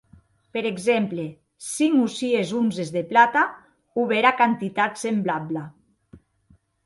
Per exemple, cinc o sies onzes de plata o bèra quantitat semblabla.